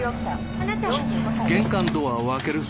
あなた。